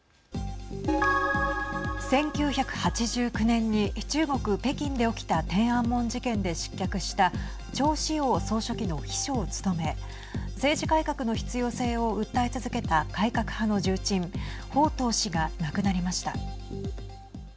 １９８９年に中国、北京で起きた天安門事件で失脚した趙紫陽総書記の秘書を務め政治改革の必要性を訴え続けた改革派の重鎮鮑とう氏が亡くなりました。